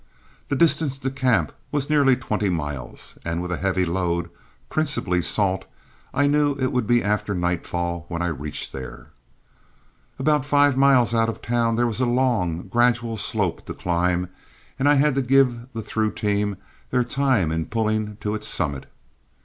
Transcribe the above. The distance to camp was nearly twenty miles, and with a heavy load, principally salt, I knew it would be after nightfall when I reached there. About five miles out of town there was a long, gradual slope to climb, and I had to give the through team their time in pulling to its summit.